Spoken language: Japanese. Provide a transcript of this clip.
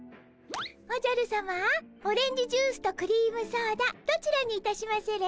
おじゃるさまオレンジジュースとクリームソーダどちらにいたしまする？